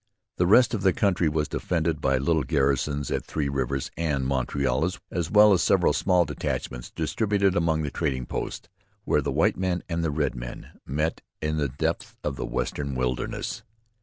The rest of the country was defended by little garrisons at Three Rivers and Montreal as well as by several small detachments distributed among the trading posts where the white men and the red met in the depths of the western wilderness.